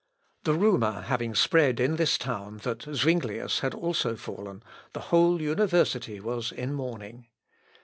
The rumour having spread in this town that Zuinglius also had fallen, the whole university was in mourning.